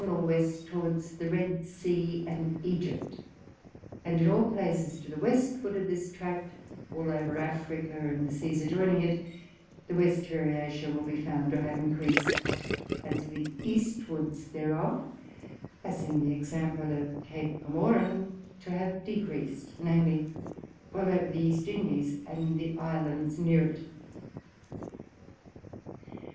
N. W. towards the Red Sea and Egypt. And in all Places to the Westward of this Tract, all over Africa and the Seas adjoining, the West Variation will be found to have encreas'd; and to the Eastwards thereof as in the Example of Cape Comorine, to have decreased, viz. all over the East Indies, and the Islands near it.